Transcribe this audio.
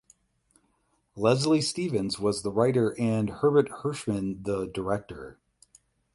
Leslie Stevens was the writer and Herbert Hirschman the director.